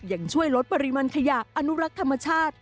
ยังช่วยลดปริมาณขยะอนุรักษ์ธรรมชาติ